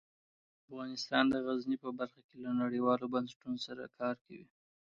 افغانستان د غزني په برخه کې له نړیوالو بنسټونو سره کار کوي.